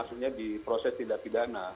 maksudnya di proses tindak pidana